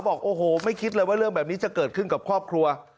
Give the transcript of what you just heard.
บอกโอ้โหไม่คิดเลยว่าเรื่องแบบนี้จะเกิดขึ้นกับครอบครัว